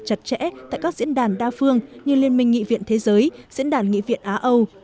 chặt chẽ tại các diễn đàn đa phương như liên minh nghị viện thế giới diễn đàn nghị viện á âu